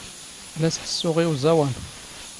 ⵍⴰ ⵙⵃⵙⵙⵓⵖ ⵉ ⵓⵥⴰⵡⴰⵏ.